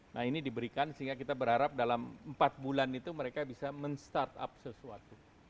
nah ini diberikan sehingga kita berharap dalam empat bulan itu mereka bisa men startup sesuatu